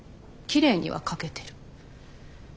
きれいには描けてる。